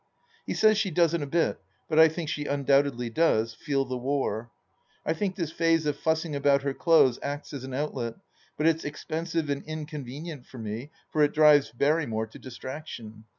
He says she doesn't a bit, but I think ^he undoubtedly does, feel the War. I think this phase of fussing about her clothes acts as an outlet, but it's expensive and inconvenient for me, for it drives Berrymore to distraction.